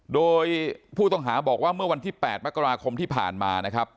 โดยผู้ต้องหาบอกว่าเมื่อวันที่๘มกราคมที่ผ่านมานะครับ